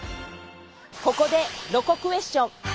ここでロコクエスチョン！